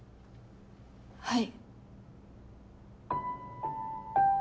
はい。